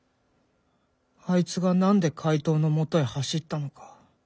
あいつが何で怪盗のもとへ走ったのか。